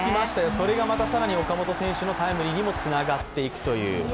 それがまた更に岡本選手のタイムリーにもつながっていくという。